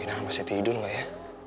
kinar masih tidur nggak ya